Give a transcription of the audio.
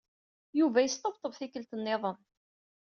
Yuba yesṭebṭeb tikkelt niḍen.